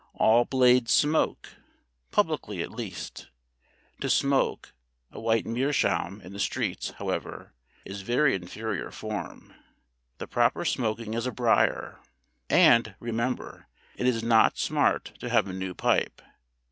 All Blades smoke publicly at least. To smoke a white meerschaum in the streets, however, is very inferior form. The proper smoking is a briar, and, remember, it is not smart to have a new pipe.